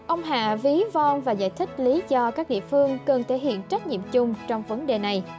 ông hạ ví von và giải thích lý do các địa phương cần thể hiện trách nhiệm chung trong vấn đề này